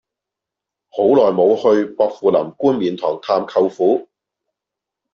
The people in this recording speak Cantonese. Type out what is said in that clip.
好耐無去薄扶林冠冕台探舅父